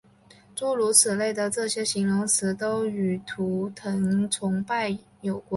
诸如此类的这些形容语都与图腾崇拜有关。